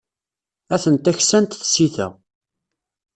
Atent-a ksant tsita.